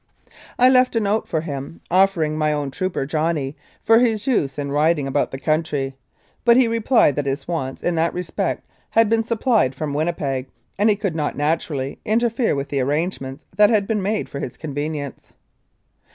I left a note for him, offering my own trooper, Johnny, for his use in riding about the country, but he replied that his wants in that respect had been sup plied from Winnipeg, and he could not, naturally, interfere with the arrangements that had been made for his convenience.